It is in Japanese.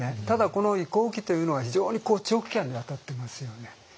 ただこの移行期というのは非常に長期間にわたっていますよね。